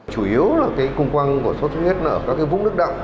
chủ yếu là cái cung quăng của sốt xuất huyết ở các vùng nước đậm